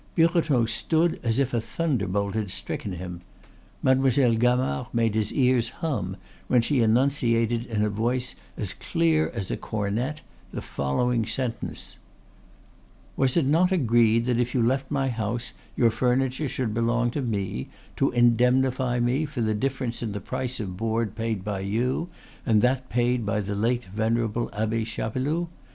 Birotteau stood as if a thunderbolt had stricken him. Mademoiselle Gamard made his ears hum when she enunciated in a voice as clear as a cornet the following sentence: "Was it not agreed that if you left my house your furniture should belong to me, to indemnify me for the difference in the price of board paid by you and that paid by the late venerable Abbe Chapeloud?